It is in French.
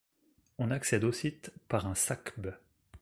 On accède au site par un sacbe.